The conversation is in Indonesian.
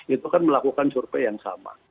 itu kan melakukan survei yang sama